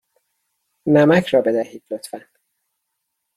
نمک را بدهید، لطفا.